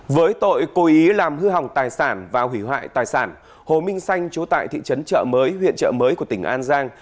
với tội cố ý làm hư hỏng tài sản và hủy hoại tài sản hồ minh xanh chú tại thị trấn trợ mới huyện trợ mới của tỉnh an giang